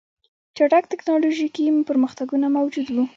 چټک ټکنالوژیکي پرمختګونه موجود وو